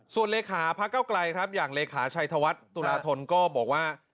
ส่วนเลขาพระเก้าไกลครับอย่างเลขาชัยธวัฒน์ตุลาธนก็บอกว่า